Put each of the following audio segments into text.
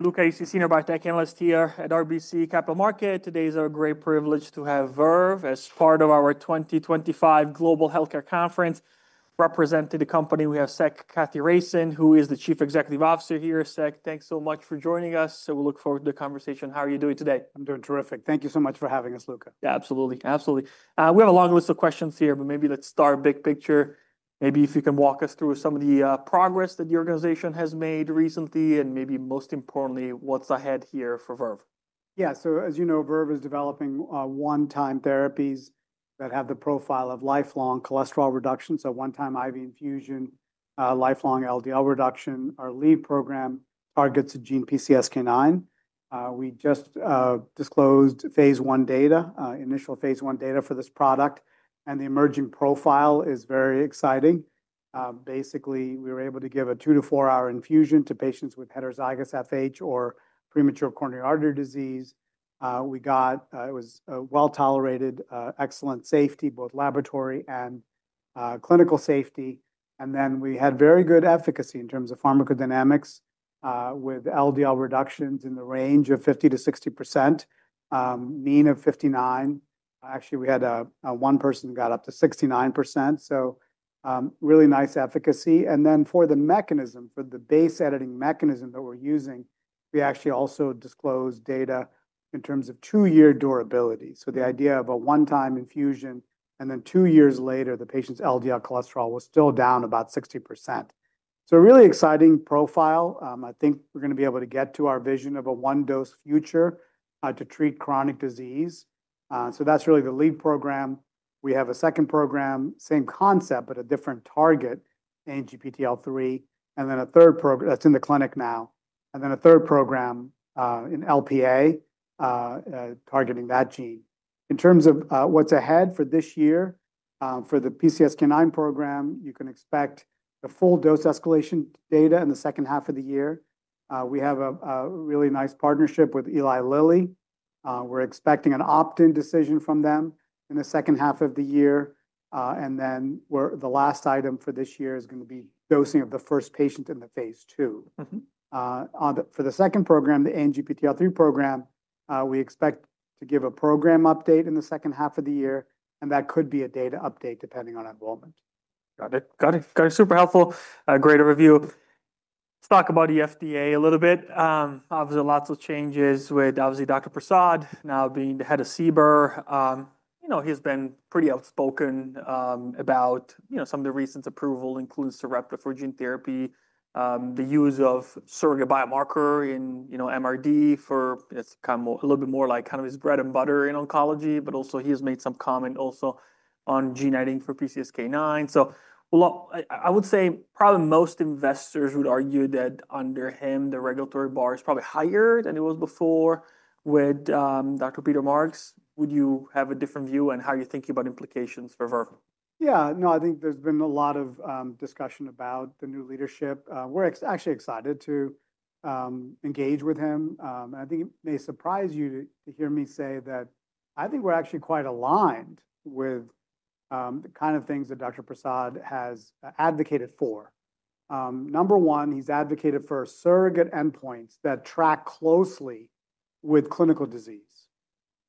Luca, senior biotech analyst here at RBC Capital Markets. Today is a great privilege to have Verve as part of our 2025 Global Healthcare Conference. Representing the company, we have Sek Kathiresan, who is the Chief Executive Officer here. Sek, thanks so much for joining us. We look forward to the conversation. How are you doing today? I'm doing terrific. Thank you so much for having us, Luca. Yeah, absolutely. Absolutely. We have a long list of questions here, but maybe let's start big picture. Maybe if you can walk us through some of the progress that the organization has made recently, and maybe most importantly, what's ahead here for Verve? Yeah, so as you know, Verve is developing one-time therapies that have the profile of lifelong cholesterol reduction. One-time IV infusion, lifelong LDL reduction. Our lead program targets a gene PCSK9. We just disclosed phase one data, initial phase one data for this product, and the emerging profile is very exciting. Basically, we were able to give a two to four-hour infusion to patients with heterozygous FH or premature coronary artery disease. It was well tolerated, excellent safety, both laboratory and clinical safety. We had very good efficacy in terms of pharmacodynamics with LDL reductions in the range of 50%-60%, mean of 59%. Actually, we had one person who got up to 69%. Really nice efficacy. For the mechanism, for the base editing mechanism that we're using, we actually also disclosed data in terms of two-year durability. The idea of a one-time infusion, and then two years later, the patient's LDL cholesterol was still down about 60%. A really exciting profile. I think we're going to be able to get to our vision of a one-dose future to treat chronic disease. That's really the lead program. We have a second program, same concept, but a different target, ANGPTL3, and then a third program that's in the clinic now. And then a third program in Lp(a) targeting that gene. In terms of what's ahead for this year, for the PCSK9 program, you can expect the full dose escalation data in the second half of the year. We have a really nice partnership with Eli Lilly. We're expecting an opt-in decision from them in the second half of the year. The last item for this year is going to be dosing of the first patient in the phase two. For the second program, the ANGPTL3 program, we expect to give a program update in the second half of the year, and that could be a data update depending on enrollment. Got it. Got it. Got it. Super helpful. Great overview. Let's talk about FDA a little bit. Obviously, lots of changes with obviously Dr. Prasad now being the head of CBER. You know, he's been pretty outspoken about some of the recent approval, including Sarepta for gene therapy, the use of surrogate biomarker in MRD for it's kind of a little bit more like kind of his bread and butter in oncology, but also he has made some comment also on gene editing for PCSK9. I would say probably most investors would argue that under him, the regulatory bar is probably higher than it was before with Dr. Peter Marks. Would you have a different view on how you're thinking about implications for Verve? Yeah, no, I think there's been a lot of discussion about the new leadership. We're actually excited to engage with him. I think it may surprise you to hear me say that I think we're actually quite aligned with the kind of things that Dr. Prasad has advocated for. Number one, he's advocated for surrogate endpoints that track closely with clinical disease,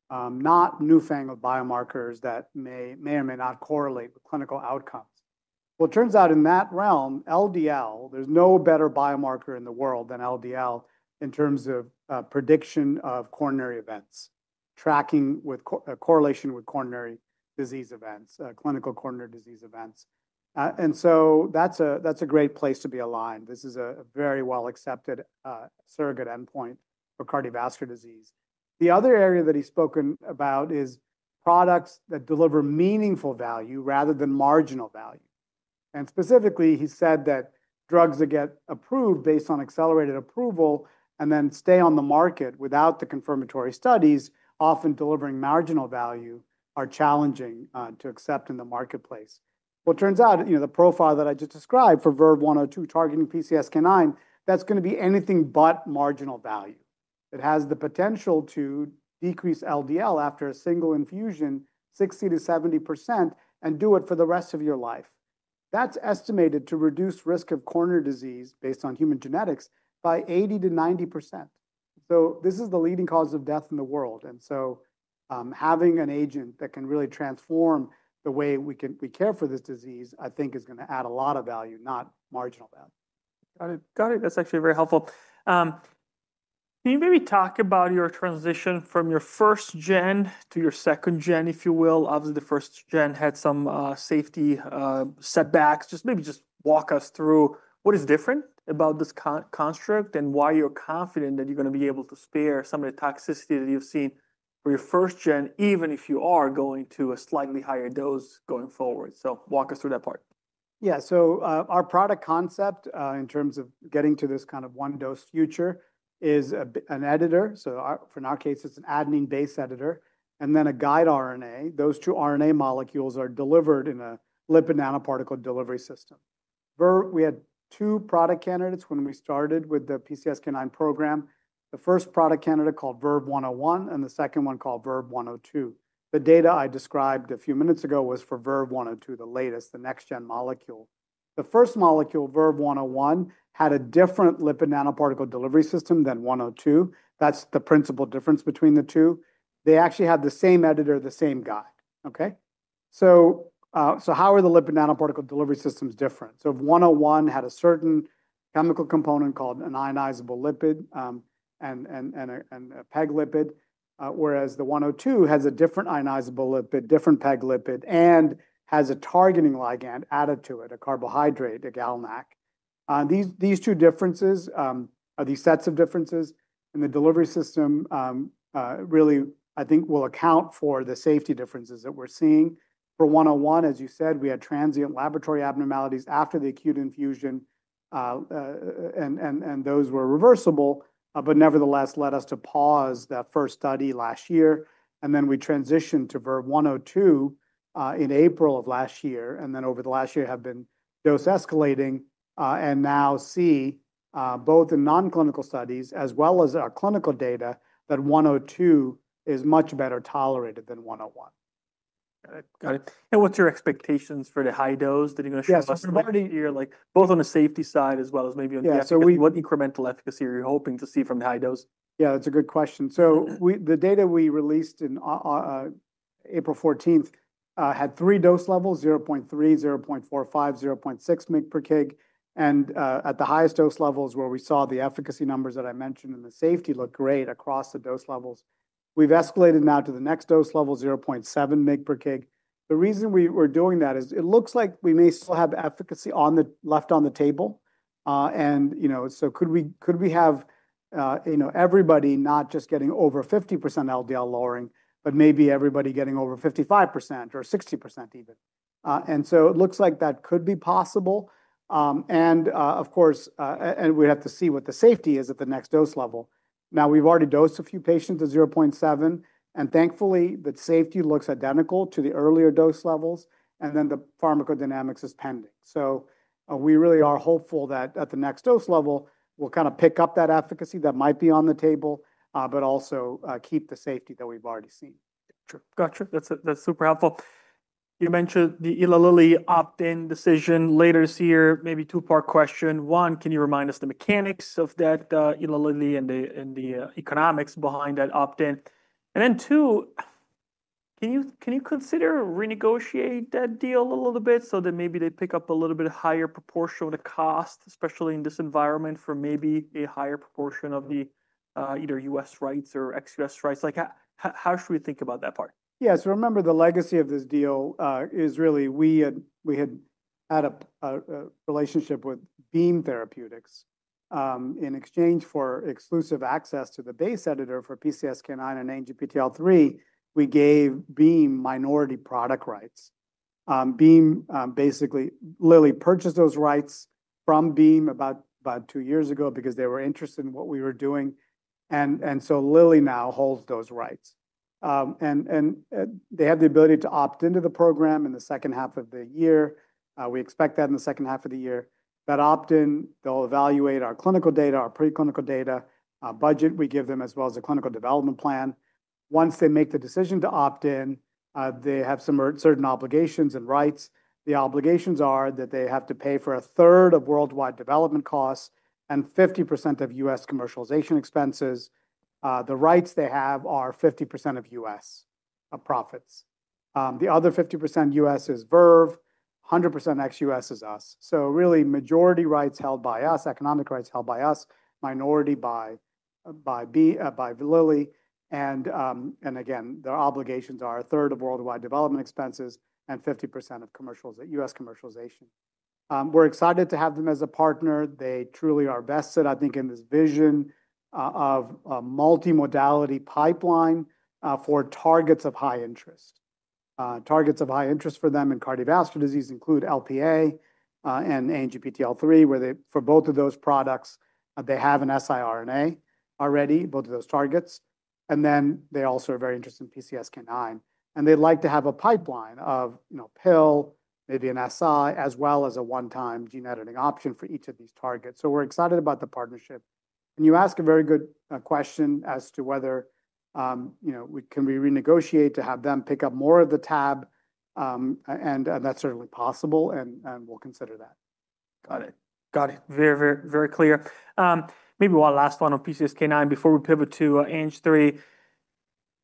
not newfangled biomarkers that may or may not correlate with clinical outcomes. It turns out in that realm, LDL, there's no better biomarker in the world than LDL in terms of prediction of coronary events, tracking with correlation with coronary disease events, clinical coronary disease events. That is a great place to be aligned. This is a very well-accepted surrogate endpoint for cardiovascular disease. The other area that he's spoken about is products that deliver meaningful value rather than marginal value. Specifically, he said that drugs that get approved based on accelerated approval and then stay on the market without the confirmatory studies, often delivering marginal value, are challenging to accept in the marketplace. It turns out, you know, the profile that I just described for Verve 102 targeting PCSK9, that's going to be anything but marginal value. It has the potential to decrease LDL after a single infusion 60% to 70% and do it for the rest of your life. That's estimated to reduce risk of coronary disease based on human genetics by 80% to 90%. This is the leading cause of death in the world. Having an agent that can really transform the way we care for this disease, I think, is going to add a lot of value, not marginal value. Got it. Got it. That's actually very helpful. Can you maybe talk about your transition from your first gen to your second gen, if you will? Obviously, the first gen had some safety setbacks. Just maybe walk us through what is different about this construct and why you're confident that you're going to be able to spare some of the toxicity that you've seen for your first gen, even if you are going to a slightly higher dose going forward. Walk us through that part. Yeah, so our product concept in terms of getting to this kind of one-dose future is an editor. For in our case, it's an adenine base editor and then a guide RNA. Those two RNA molecules are delivered in a lipid nanoparticle delivery system. We had two product candidates when we started with the PCSK9 program. The first product candidate called VERVE-101 and the second one called VERVE-102. The data I described a few minutes ago was for VERVE-102, the latest, the next-gen molecule. The first molecule, VERVE-101, had a different lipid nanoparticle delivery system than VERVE-102. That's the principal difference between the two. They actually have the same editor, the same guide. Okay? How are the lipid nanoparticle delivery systems different? VERVE-101 had a certain chemical component called an ionizable lipid and a PEG lipid, whereas VERVE-102 has a different ionizable lipid, different PEG lipid, and has a targeting ligand added to it, a carbohydrate, a GalNAc. These two differences, these sets of differences in the delivery system really, I think, will account for the safety differences that we're seeing. For VERVE-101, as you said, we had transient laboratory abnormalities after the acute infusion, and those were reversible, but nevertheless led us to pause that first study last year. We transitioned to VERVE-102 in April of last year, and then over the last year have been dose escalating and now see both in non-clinical studies as well as our clinical data that VERVE-102 is much better tolerated than VERVE-101. Got it. Got it. What’s your expectations for the high dose that you’re going to show us? You’re like both on the safety side as well as maybe on the incremental efficacy you’re hoping to see from the high dose. Yeah, that's a good question. The data we released on April 14th had three dose levels, 0.3 mg, 0.45 mg, 0.6 mg per kg. At the highest dose levels where we saw the efficacy numbers that I mentioned and the safety look great across the dose levels, we've escalated now to the next dose level, 0.7 mg per kg. The reason we're doing that is it looks like we may still have efficacy on the left on the table. Could we have everybody not just getting over 50% LDL lowering, but maybe everybody getting over 55% or 60% even? It looks like that could be possible. Of course, we have to see what the safety is at the next dose level. Now, we've already dosed a few patients at 0.7 mg, and thankfully the safety looks identical to the earlier dose levels, and then the pharmacodynamics is pending. We really are hopeful that at the next dose level, we'll kind of pick up that efficacy that might be on the table, but also keep the safety that we've already seen. Gotcha. That's super helpful. You mentioned the Eli Lilly opt-in decision later this year, maybe two-part question. One, can you remind us the mechanics of that Eli Lilly and the economics behind that opt-in? Two, can you consider renegotiating that deal a little bit so that maybe they pick up a little bit higher proportion of the cost, especially in this environment for maybe a higher proportion of the either U.S. rights or ex-U.S. rights? Like how should we think about that part? Yeah, so remember the legacy of this deal is really we had had a relationship with Beam Therapeutics. In exchange for exclusive access to the base editor for PCSK9 and ANGPTL3, we gave Beam minority product rights. Beam basically Lilly purchased those rights from Beam about two years ago because they were interested in what we were doing. Lilly now holds those rights. They have the ability to opt into the program in the second half of the year. We expect that in the second half of the year. That opt-in, they'll evaluate our clinical data, our preclinical data, budget we give them as well as the clinical development plan. Once they make the decision to opt in, they have some certain obligations and rights. The obligations are that they have to pay for a third of worldwide development costs and 50% of U.S. commercialization expenses. The rights they have are 50% of U.S. profits. The other 50% U.S. is Verve, 100% ex-U.S. is us. Really, majority rights held by us, economic rights held by us, minority by Lilly. Again, their obligations are a third of worldwide development expenses and 50% of U.S. commercialization. We're excited to have them as a partner. They truly are best set, I think, in this vision of a multi-modality pipeline for targets of high interest. Targets of high interest for them in cardiovascular disease include Lp(a) and ANGPTL3, where for both of those products, they have an siRNA already, both of those targets. They also are very interested in PCSK9. They'd like to have a pipeline of pill, maybe an si, as well as a one-time gene editing option for each of these targets. We're excited about the partnership. You ask a very good question as to whether we can renegotiate to have them pick up more of the tab. That is certainly possible, and we'll consider that. Got it. Got it. Very, very, very clear. Maybe one last one on PCSK9 before we pivot to ANGPTL3.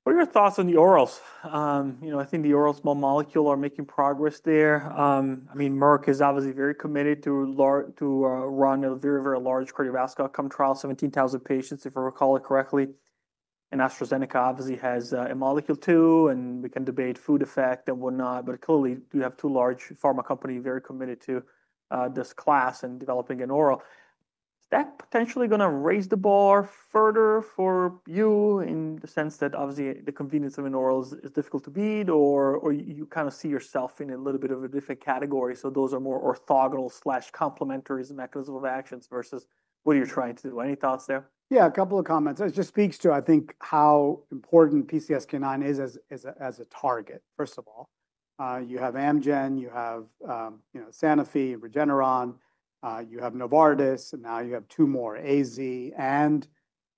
What are your thoughts on the orals? I think the oral small molecules are making progress there. I mean, Merck is obviously very committed to run a very, very large cardiovascular outcome trial, 17,000 patients, if I recall it correctly. AstraZeneca obviously has a molecule too, and we can debate food effect and whatnot, but clearly you have two large pharma companies very committed to this class and developing an oral. Is that potentially going to raise the bar further for you in the sense that obviously the convenience of an oral is difficult to beat or you kind of see yourself in a little bit of a different category? Those are more orthogonal/complementary mechanisms of action versus what you're trying to do. Any thoughts there? Yeah, a couple of comments. It just speaks to, I think, how important PCSK9 is as a target, first of all. You have Amgen, you have Sanofi, Regeneron, you have Novartis, and now you have two more, AZ and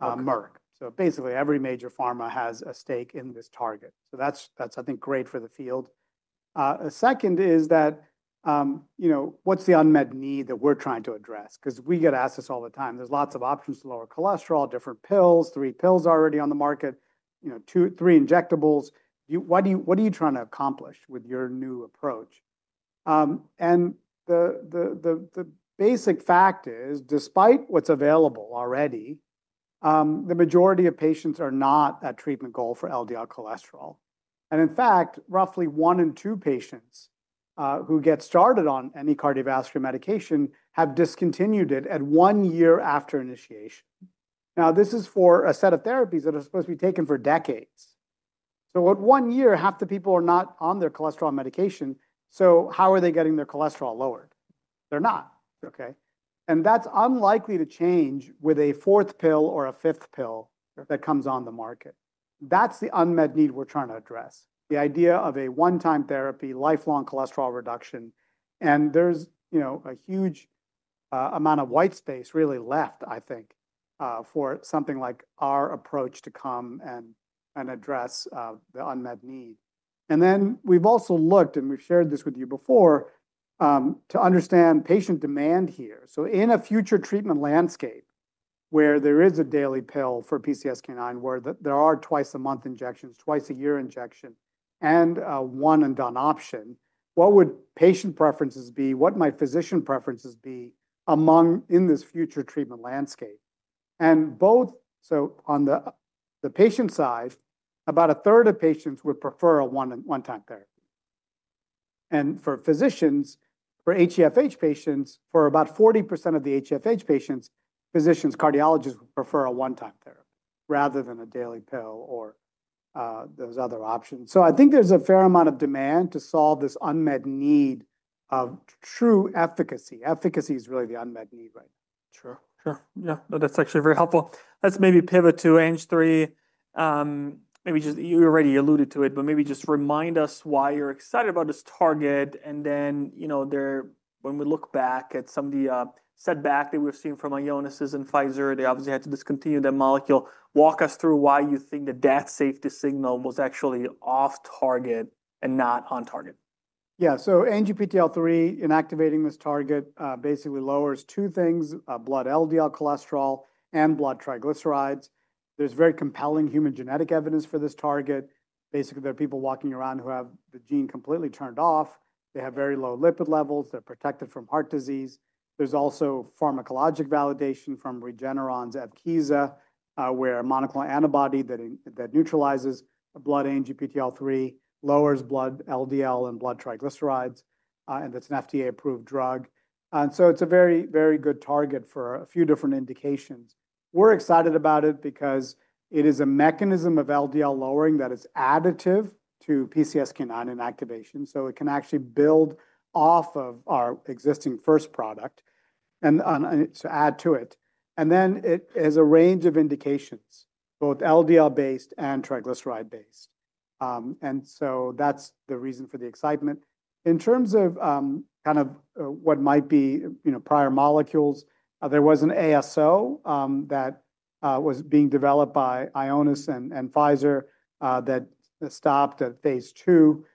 Merck. Basically every major pharma has a stake in this target. I think that's great for the field. A second is that, you know, what's the unmet need that we're trying to address? Because we get asked this all the time. There's lots of options to lower cholesterol, different pills, three pills already on the market, three injectables. What are you trying to accomplish with your new approach? The basic fact is, despite what's available already, the majority of patients are not at treatment goal for LDL cholesterol. In fact, roughly one in two patients who get started on any cardiovascular medication have discontinued it at one year after initiation. This is for a set of therapies that are supposed to be taken for decades. At one year, half the people are not on their cholesterol medication. How are they getting their cholesterol lowered? They're not. That's unlikely to change with a fourth pill or a fifth pill that comes on the market. That's the unmet need we're trying to address. The idea of a one-time therapy, lifelong cholesterol reduction. There's a huge amount of white space really left, I think, for something like our approach to come and address the unmet need. We've also looked, and we've shared this with you before, to understand patient demand here. In a future treatment landscape where there is a daily pill for PCSK9, where there are twice-a-month injections, twice-a-year injection, and one-and-done option, what would patient preferences be? What might physician preferences be among in this future treatment landscape? Both, so on the patient side, about a 1/3 of patients would prefer a one-time therapy. For physicians, for HCFH patients, for about 40% of the HCFH patients, physicians, cardiologists would prefer a one-time therapy rather than a daily pill or those other options. I think there is a fair amount of demand to solve this unmet need of true efficacy. Efficacy is really the unmet need right now. Sure. Yeah. That's actually very helpful. Let's maybe pivot to ANGPTL3. Maybe just you already alluded to it, but maybe just remind us why you're excited about this target. When we look back at some of the setback that we've seen from Ionis and Pfizer, they obviously had to discontinue that molecule. Walk us through why you think that that safety signal was actually off target and not on target. Yeah. So ANGPTL3 inactivating this target basically lowers two things, blood LDL cholesterol and blood triglycerides. There's very compelling human genetic evidence for this target. Basically, there are people walking around who have the gene completely turned off. They have very low lipid levels. They're protected from heart disease. There's also pharmacologic validation from Regeneron's Evkeeza, where a monoclonal antibody that neutralizes blood ANGPTL3 lowers blood LDL and blood triglycerides. And that's an FDA-approved drug. It's a very, very good target for a few different indications. We're excited about it because it is a mechanism of LDL lowering that is additive to PCSK9 inactivation. It can actually build off of our existing first product and add to it. It has a range of indications, both LDL-based and triglyceride-based. That's the reason for the excitement. In terms of kind of what might be prior molecules, there was an ASO that was being developed by Ionis and Pfizer that stopped at phase two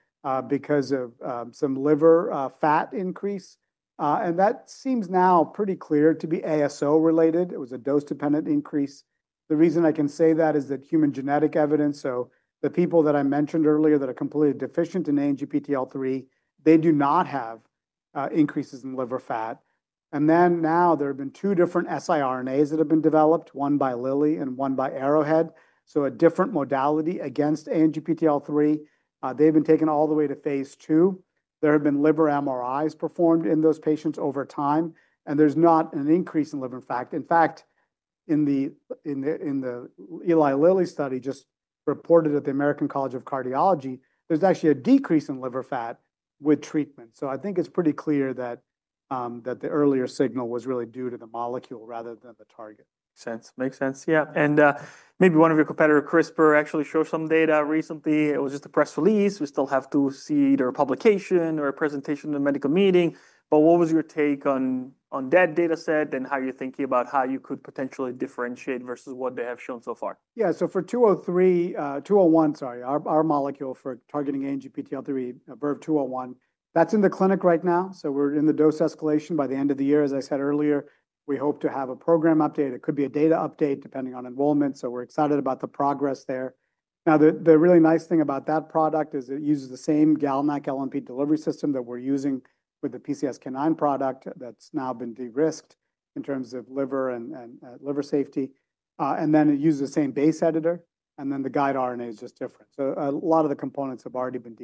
because of some liver fat increase. That seems now pretty clear to be ASO-related. It was a dose-dependent increase. The reason I can say that is that human genetic evidence, so the people that I mentioned earlier that are completely deficient in ANGPTL3, they do not have increases in liver fat. There have been two different siRNAs that have been developed, one by Lilly and one by Arrowhead. A different modality against ANGPTL3. They've been taken all the way to phase two. There have been liver MRIs performed in those patients over time. There's not an increase in liver fat. In fact, in the Eli Lilly study just reported at the American College of Cardiology, there's actually a decrease in liver fat with treatment. I think it's pretty clear that the earlier signal was really due to the molecule rather than the target. Makes sense. Makes sense. Yeah. Maybe one of your competitors, CRISPR, actually showed some data recently. It was just a press release. We still have to see either a publication or a presentation in a medical meeting. What was your take on that dataset and how you're thinking about how you could potentially differentiate versus what they have shown so far? Yeah. So for VERVE-201, sorry, our molecule for targeting ANGPTL3, VERVE-201, that's in the clinic right now. We're in the dose escalation by the end of the year. As I said earlier, we hope to have a program update. It could be a data update depending on enrollment. We're excited about the progress there. Now, the really nice thing about that product is it uses the same GalNAc-LNP delivery system that we're using with the PCSK9 product that's now been de-risked in terms of liver and liver safety. It uses the same base editor, and then the guide RNA is just different. A lot of the components have already been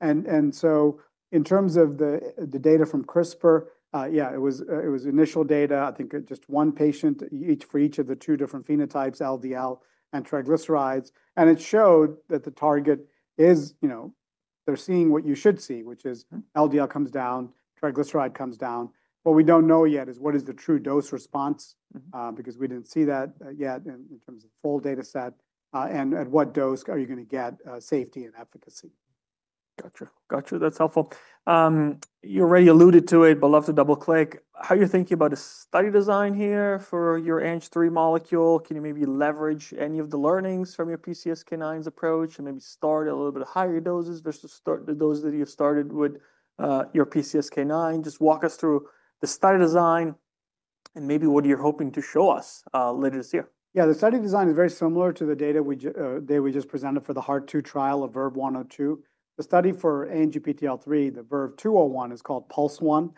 de-risked. In terms of the data from CRISPR, yeah, it was initial data. I think just one patient for each of the two different phenotypes, LDL and triglycerides. It showed that the target is they're seeing what you should see, which is LDL comes down, triglyceride comes down. What we don't know yet is what is the true dose response because we didn't see that yet in terms of full dataset and at what dose are you going to get safety and efficacy. Gotcha. Gotcha. That's helpful. You already alluded to it, but love to double-click. How are you thinking about a study design here for your ANGPTL3 molecule? Can you maybe leverage any of the learnings from your PCSK9's approach and maybe start a little bit higher doses versus the dose that you started with your PCSK9? Just walk us through the study design and maybe what you're hoping to show us later this year. Yeah. The study design is very similar to the data we just presented for the Heart-2 trial of VERVE-102. The study for ANGPTL3, the VERVE-201, is called PulseOne.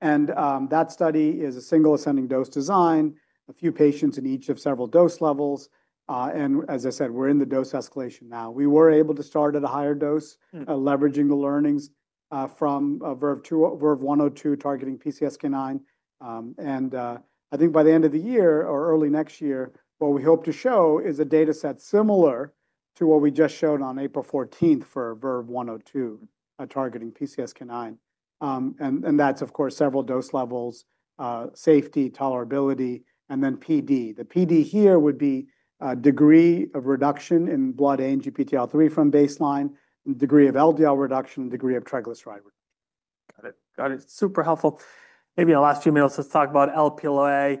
That study is a single ascending dose design, a few patients in each of several dose levels. As I said, we're in the dose escalation now. We were able to start at a higher dose, leveraging the learnings from VERVE-102 targeting PCSK9. I think by the end of the year or early next year, what we hope to show is a dataset similar to what we just showed on April 14th for VERVE-102 targeting PCSK9. That's, of course, several dose levels, safety, tolerability, and then PD. The PD here would be degree of reduction in blood ANGPTL3 from baseline, degree of LDL reduction, degree of triglyceride reduction. Got it. Got it. Super helpful. Maybe in the last few minutes, let's talk about Lp(a).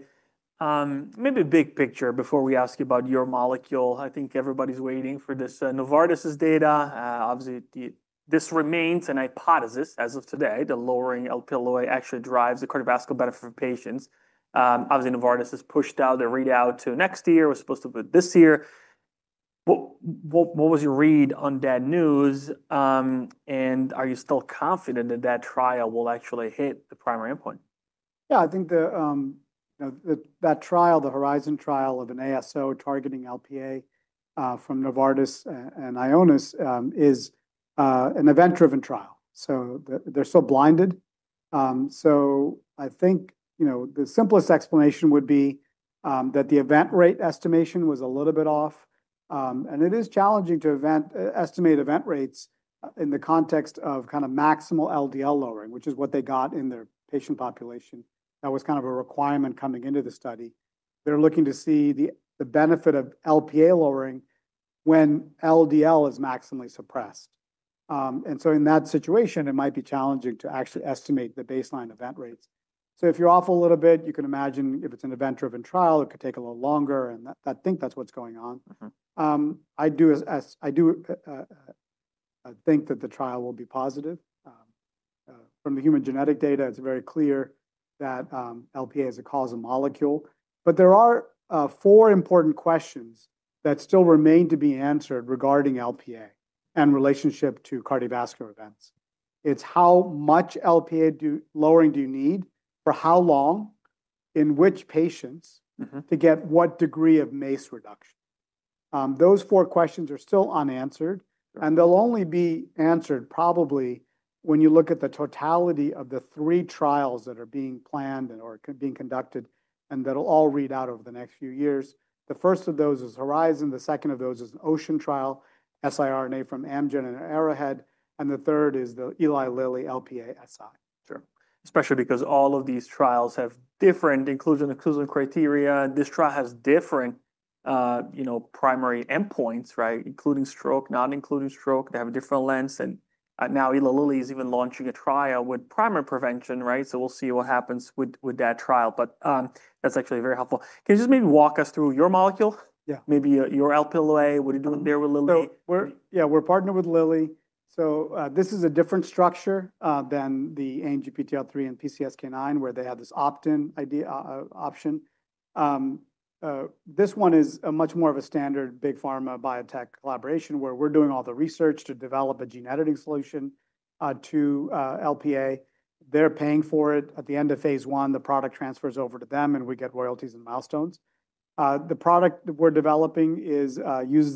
Maybe a big picture before we ask you about your molecule. I think everybody's waiting for this Novartis's data. Obviously, this remains an hypothesis as of today, that lowering Lp(a) actually drives the cardiovascular benefit for patients. Obviously, Novartis has pushed out the readout to next year. It was supposed to be this year. What was your read on that news? Are you still confident that that trial will actually hit the primary endpoint? Yeah. I think that trial, the Horizon trial of an ASO targeting Lp(a) from Novartis and Ionis is an event-driven trial. So they're so blinded. I think the simplest explanation would be that the event rate estimation was a little bit off. It is challenging to estimate event rates in the context of kind of maximal LDL lowering, which is what they got in their patient population. That was kind of a requirement coming into the study. They're looking to see the benefit of Lp(a) lowering when LDL is maximally suppressed. In that situation, it might be challenging to actually estimate the baseline event rates. If you're off a little bit, you can imagine if it's an event-driven trial, it could take a little longer. I think that's what's going on. I do think that the trial will be positive. From the human genetic data, it's very clear that Lp(a) is a causal molecule. There are four important questions that still remain to be answered regarding Lp(a) and relationship to cardiovascular events. It's how much Lp(a) lowering do you need for how long in which patients to get what degree of MACE reduction. Those four questions are still unanswered. They'll only be answered probably when you look at the totality of the three trials that are being planned or being conducted and that'll all read out over the next few years. The first of those is Horizon. The second of those is an OCEAN trial, siRNA from Amgen and Arrowhead. The third is the Eli Lilly Lp(a) siRNA. Sure. Especially because all of these trials have different inclusion criteria. This trial has different primary endpoints, right? Including stroke, not including stroke. They have a different lens. Now Eli Lilly is even launching a trial with primary prevention, right? We will see what happens with that trial. That is actually very helpful. Can you just maybe walk us through your molecule? Maybe your Lp(a)? What are you doing there with Lilly? Yeah. We're partnered with Lilly. This is a different structure than the ANGPTL3 and PCSK9, where they have this opt-in option. This one is much more of a standard big pharma biotech collaboration, where we're doing all the research to develop a gene editing solution to Lp(a). They're paying for it. At the end of phase one, the product transfers over to them, and we get royalties and milestones. The product we're developing uses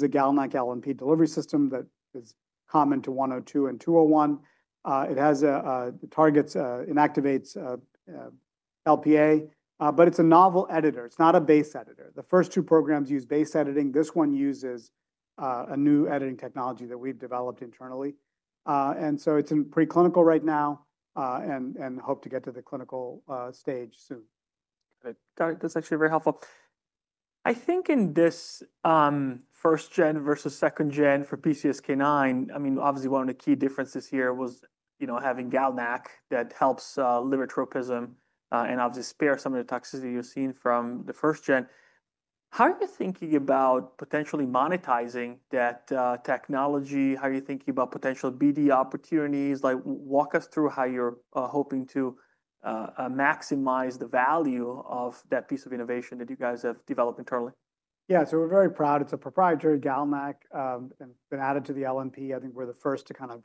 a GalNAc-LNP delivery system that is common to VERVE-102 and VERVE-201. It targets and activates Lp(a). It's a novel editor. It's not a base editor. The first two programs use base editing. This one uses a new editing technology that we've developed internally. It's in preclinical right now and hope to get to the clinical stage soon. Got it. Got it. That's actually very helpful. I think in this first-gen versus second-gen for PCSK9, I mean, obviously, one of the key differences here was having GalNAc that helps liver tropism and obviously spares some of the toxicity you've seen from the first-gen. How are you thinking about potentially monetizing that technology? How are you thinking about potential BD opportunities? Walk us through how you're hoping to maximize the value of that piece of innovation that you guys have developed internally. Yeah. So we're very proud. It's a proprietary GalNAc. It's been added to the LNP. I think we're the first to kind of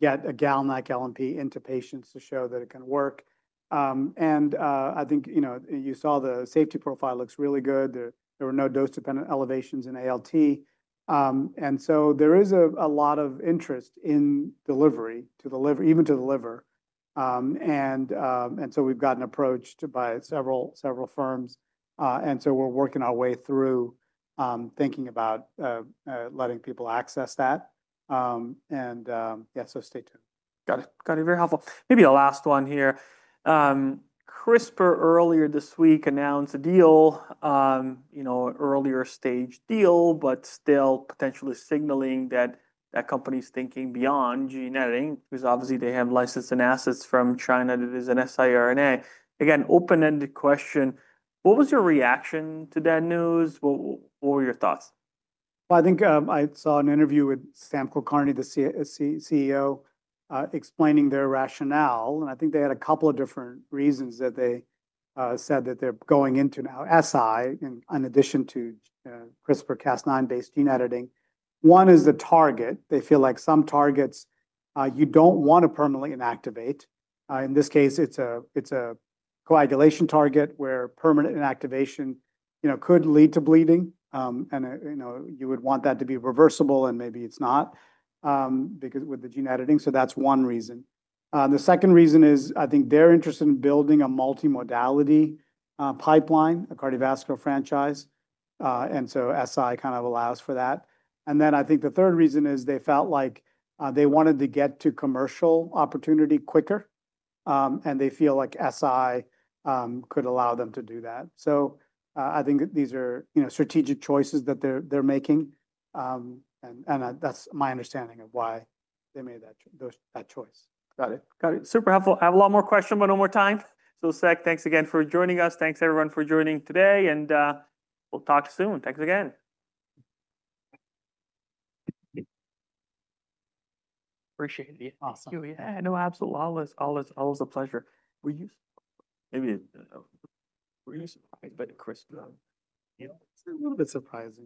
get a GalNAc-LNP into patients to show that it can work. I think you saw the safety profile looks really good. There were no dose-dependent elevations in ALT. There is a lot of interest in delivery to the liver, even to the liver. We've gotten approached by several firms. We're working our way through thinking about letting people access that. Yeah, so stay tuned. Got it. Got it. Very helpful. Maybe the last one here. CRISPR earlier this week announced a deal, earlier stage deal, but still potentially signaling that that company's thinking beyond gene editing because obviously they have licensed assets from China that is an siRNA. Again, open-ended question. What was your reaction to that news? What were your thoughts? I think I saw an interview with Sam Kulkarni, the CEO, explaining their rationale. I think they had a couple of different reasons that they said that they're going into now, siRNA, in addition to CRISPR-Cas9-based gene editing. One is the target. They feel like some targets you don't want to permanently inactivate. In this case, it's a coagulation target where permanent inactivation could lead to bleeding. You would want that to be reversible, and maybe it's not with the gene editing. That's one reason. The second reason is I think they're interested in building a multi-modality pipeline, a cardiovascular franchise. SiRNA kind of allows for that. I think the third reason is they felt like they wanted to get to commercial opportunity quicker. They feel like siRNA could allow them to do that. I think these are strategic choices that they're making. That's my understanding of why they made that choice. Got it. Got it. Super helpful. I have a lot more questions, but no more time. Sek, thanks again for joining us. Thanks, everyone, for joining today. We'll talk soon. Thanks again. Appreciate it. Awesome. Yeah. No, absolutely. Always a pleasure. Maybe we're surprised, but CRISPR. We're a little bit surprised.